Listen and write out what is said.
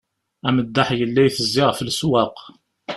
Ameddaḥ yella itezzi ɣef leswaq.